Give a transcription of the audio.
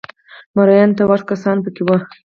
مریانو ته ورته کسان په کې وو